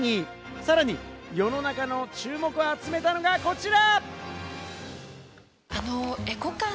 さらに、世の中の注目を集めたのがこちら！